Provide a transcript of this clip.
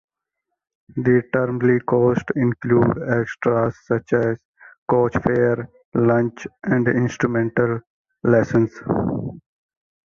The termly cost excludes extras such as coach fare, lunch and instrumental lessons.